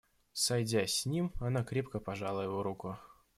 Сойдясь с ним, она крепко пожала его руку.